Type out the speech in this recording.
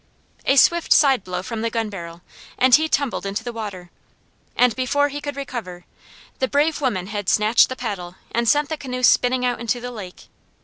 A swift side blow from the gun barrel, and he tumbled into the water; before he could recover, the brave woman had snatched the paddle, and sent the canoe spinning out into the lake.